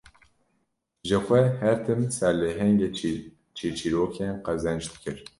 Jixwe her tim serlehengê çîrçîrokên qezenç dikir